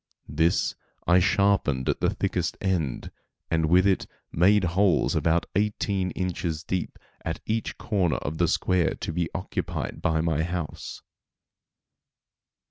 This I sharpened at the thickest end, and with it made holes about eighteen inches deep at each corner of the square to be occupied by my house.